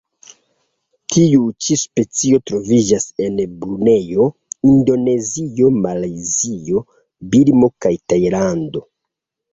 Tiu ĉi specio troviĝas en Brunejo, Indonezio, Malajzio, Birmo kaj Tajlando.